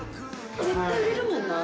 絶対売れるもん。